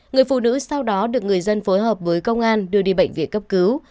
người phụ nữ sau đó được người dân phối hợp với công an đưa đi bệnh viện cấp cứu